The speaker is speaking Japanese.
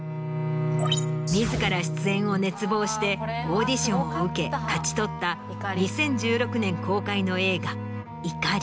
自ら出演を熱望してオーディションを受け勝ち取った２０１６年公開の映画『怒り』。